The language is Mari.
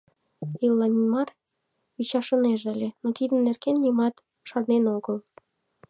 Иллимар ӱчашынеже ыле, но тидын нерген нимат шарнен огыл.